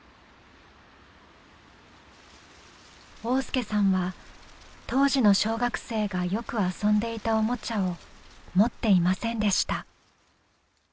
旺亮さんは当時の小学生がよく遊んでいたおもちゃを持っていませんでした。